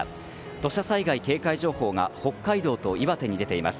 土砂災害警戒情報が北海道と岩手に出ています。